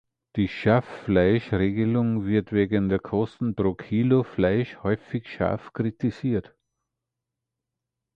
Die Schaffleischregelung wird wegen der Kosten pro Kilo Fleisch häufig scharf kritisiert.